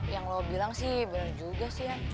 yang lo bilang sih benar juga sih ya